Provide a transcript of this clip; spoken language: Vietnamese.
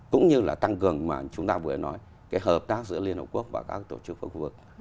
cũng như là tăng cường mà chúng ta vừa nói cái hợp tác giữa liên hợp quốc và các tổ chức của khu vực